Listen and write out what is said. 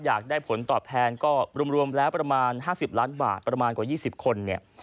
อยากได้ผลตอบแทนก็รวมแล้วประมาณ๕๐ล้านบาทประมาณกว่า๒๐คนเนี่ย